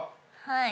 はい。